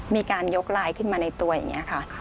มีการยกลายขึ้นมาในตัวอย่างนี้ค่ะ